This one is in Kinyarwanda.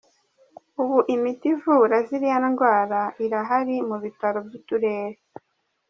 Ubu imiti ivura ziriya ndwara irahari mu bitaro by’uturere.